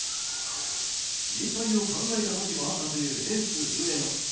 引退を考えた時もあったというエース上野。